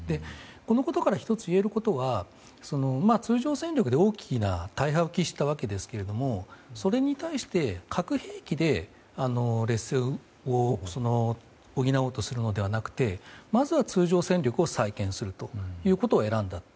このことから、１つ言えることは通常戦力で大きな大敗を喫したわけですけどそれに対して、核兵器で劣勢を補おうとするのではなくまずは通常戦力を再建するということを選んだと。